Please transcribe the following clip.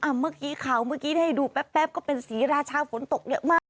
เมื่อกี้ข่าวเมื่อกี้ได้ให้ดูแป๊บก็เป็นศรีราชาฝนตกเยอะมาก